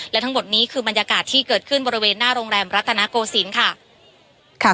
และทั้งหมดนี้คือบรรยากาศที่เกิดขึ้นบริเวณหน้าโรงแรมรัตนโกศิลป์ค่ะ